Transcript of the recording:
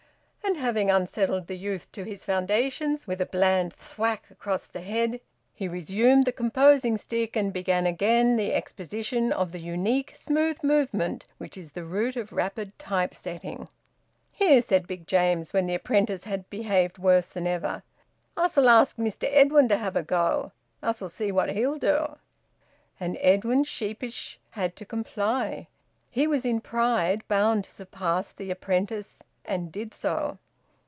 And, having unsettled the youth to his foundations with a bland thwack across the head, he resumed the composing stick and began again the exposition of the unique smooth movement which is the root of rapid type setting. "Here!" said Big James, when the apprentice had behaved worse than ever. "Us'll ask Mr Edwin to have a go. Us'll see what he'll do." And Edwin, sheepish, had to comply. He was in pride bound to surpass the apprentice, and did so.